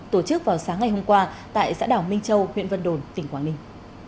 tổ chức vào sáng ngày hôm qua tại xã đảo minh châu huyện vân đồn tỉnh quảng ninh